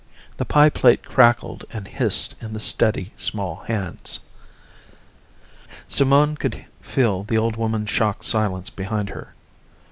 The pie plate crackled and hissed in the steady, small hands. Simone could feel the old woman's shocked silence behind her.